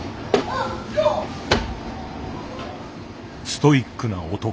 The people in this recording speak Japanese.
「ストイックな男」。